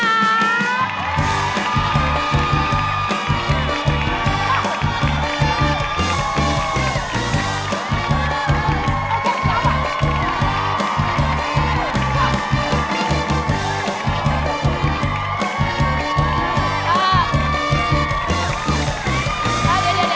เดี๋ยว